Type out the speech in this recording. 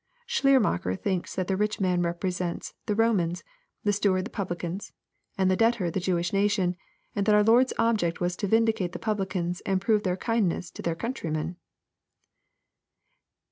Schleiermacher thinks that the rich man represents the Romans, the steward the publicans, and the debtor the Jewish nation, — and that our Lord's object was to vindicate the publicans, and prove their kindness to their countrymen.